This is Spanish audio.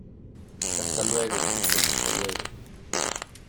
hasta luego, chicos. hasta luego .